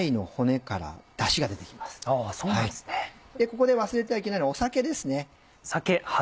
ここで忘れてはいけないのが酒ですね。